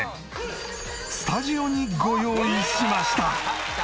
スタジオにご用意しました。